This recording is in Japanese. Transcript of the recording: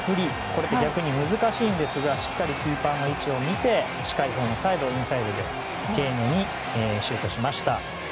これって逆に難しいんですがしっかりキーパーの位置を見て近いほうのサイド、インサイドにきれいにシュートしました。